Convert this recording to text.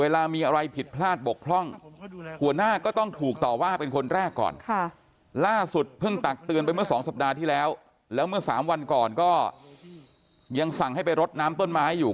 แล้วเมื่อ๓วันก่อนก็ยังสั่งให้ไปรดน้ำต้นไม้อยู่